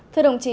thưa đồng chí